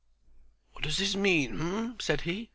"What does this mean? H'mm," said he.